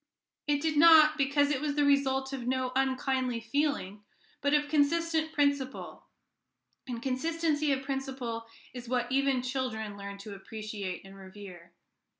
It did not, because it was the result of no unkindly feeling, but of consistent principle; and consistency of principle is what even children learn to appreciate and revere.